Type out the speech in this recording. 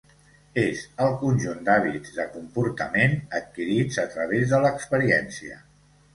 És el conjunt d'hàbits de comportament adquirits a través de l'experiència.